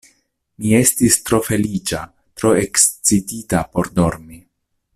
Mi estis tro feliĉa, tro ekscitita por dormi.